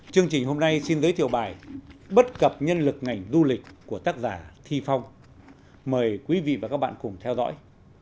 chương trình hôm nay xin giới thiệu bài bất cập nhân lực ngành du lịch của tác giả thi phong mời quý vị và các bạn cùng theo dõi